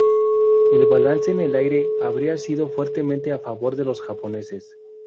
El balance en el aire habría sido fuertemente a favor de los japoneses.